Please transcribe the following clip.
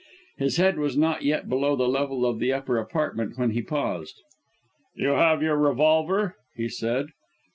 His head was not yet below the level of the upper apartment when he paused. "You have your revolver?" he said.